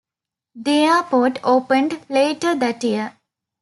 The airport opened later that year.